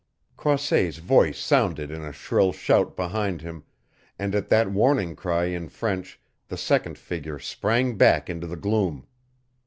Croisset's voice sounded in a shrill shout behind him, and at that warning cry in French the second figure sprang back into the gloom.